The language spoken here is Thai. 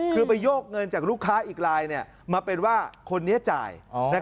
คือไปโยกเงินจากลูกค้าอีกลายมาเป็นว่าคนนี้จ่าย